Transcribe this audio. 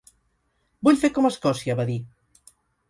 Vull fer com Escòcia, va dir.